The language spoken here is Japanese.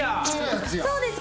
そうです。